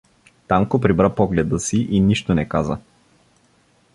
Танко прибра погледа си и нищо не каза.